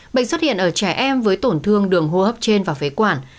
bệnh xuất hiện ở trẻ em với tổn thương đường hô hấp trên và phế quản